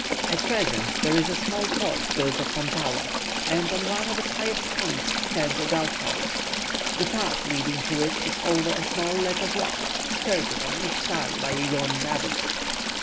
At present, there is a small fort built at Fantaua, and on one of its highest points stands a guard house. The path leading to it is over a small ledge of rock, skirted on each side by a yawning abyss.